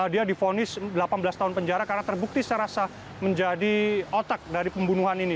dia difonis delapan belas tahun penjara karena terbukti secara sah menjadi otak dari pembunuhan ini